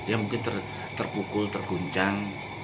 dia mungkin terpukul terguncang